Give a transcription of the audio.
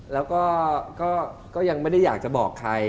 แล้วก็ยังไม่ได้อยากจะบอกใคร